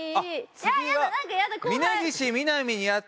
次は。